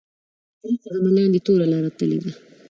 درې قدمه لاندې توره لاره تللې ده.